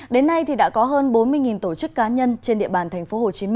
đến nay đã có hơn bốn mươi tổ chức cá nhân trên địa bàn tp hcm